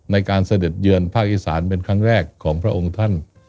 เสด็จเยือนภาคอีสานเป็นครั้งแรกของพระองค์ท่าน